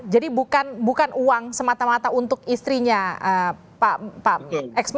jadi bukan uang semata mata untuk istrinya pak menteri